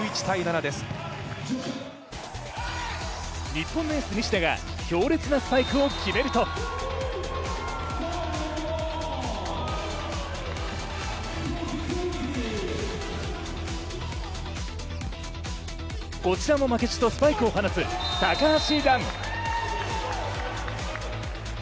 日本のエース・西田が強烈なスパイクを決めるとこちらも負けじとスパイクを放つ高橋藍。